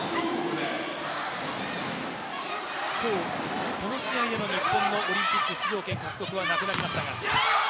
今日、この試合での日本のオリンピック出場権獲得はなくなりました。